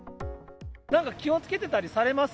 なんか気をつけてたりされます？